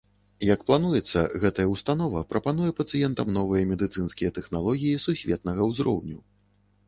Як плануецца, гэта ўстанова прапануе пацыентам новыя медыцынскія тэхналогіі сусветнага ўзроўню.